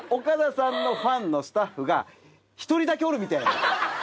岡田さんのファンのスタッフが１人だけおるみたい。